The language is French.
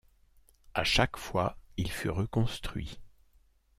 À chaque fois, il fut reconstruit.